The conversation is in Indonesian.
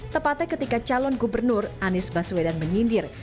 tepatnya ketika calon gubernur anies baswedan menyindir